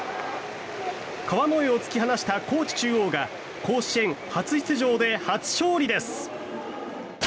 川之江を突き放した高知中央が甲子園初出場で初勝利です。